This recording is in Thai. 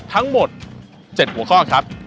ทั้งหมด๗หัวข้อครับ